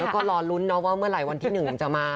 แล้วก็รอลุ้นนะว่าเมื่อไหร่วันที่๑จะมา